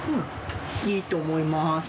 いいと思います。